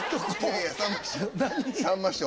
さんま師匠